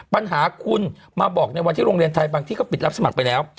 ปัญหาคุณมาบอกในวันที่โรงเรียนไทยบางที่เขาปิดรับสมัครไปแล้ว